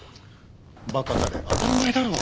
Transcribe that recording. バカタレ当たり前だろう。